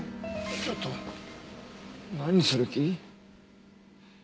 ちょっと何する気？